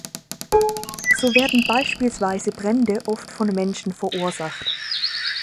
So werden beispielsweise Brände oft von Menschen verursacht.